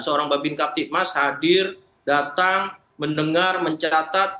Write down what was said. seorang bapin kaptik mas hadir datang mendengar mencatat